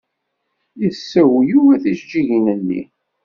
Yessew Yuba tijeǧǧigin-nni.